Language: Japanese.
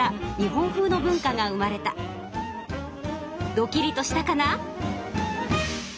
ドキリとしたかな？